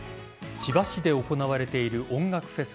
千葉市で行われている音楽フェス